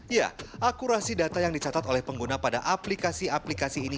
ya akurasi data yang dicatat oleh pengguna pada aplikasi aplikasi ini